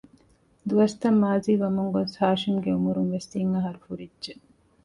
ދުވަސްތައް މާޒީވަމުންގޮސް ހާޝިމްގެ އުމުރުންވެސް ތިން އަހަރު ފުރިއްޖެ